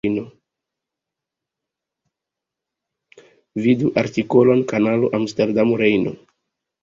Vidu artikolon Kanalo Amsterdamo–Rejno.